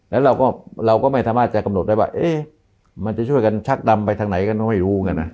แล้วเราก็ไม่สามารถจะกำหนดได้ว่ามันจะช่วยกันชักดำไปทางไหนก็ไม่รู้เหมือนกันนะ